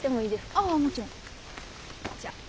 ああもちろん。